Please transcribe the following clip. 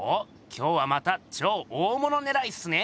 今日はまた超大物ねらいっすね。